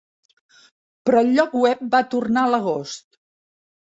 Però el lloc web va tornar l'agost.